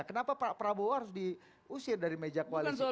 kenapa pak prabowo harus diusir dari meja koalisi